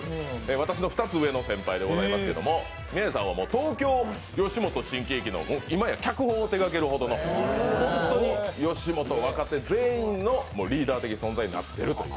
私の２つ上の先輩なんですけど宮地さんは東京吉本新喜劇の今や脚本を手がけるほどの本当に吉本若手全員のリーダー的存在になっていると。